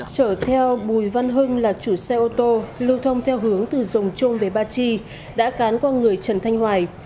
chở theo bùi văn hưng là chủ xe ô tô lưu thông theo hướng từ rồng trôm về ba chi đã cán qua người trần thanh hoài